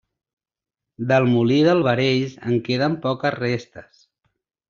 Del molí d'Albarells en queden poques restes.